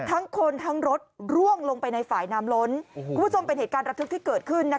ทั้งคนทั้งรถร่วงลงไปในฝ่ายน้ำล้นคุณผู้ชมเป็นเหตุการณ์ระทึกที่เกิดขึ้น